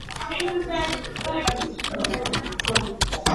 Jenerali Abdel Fattah al Burhan